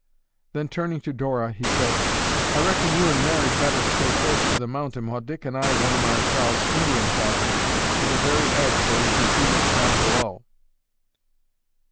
Then, turning to Dora, he said, "I reckon you and Mary'd better stay close to the mountain while Dick and I worm ourselves, Indian fashion, to the very edge where we can see what's down below."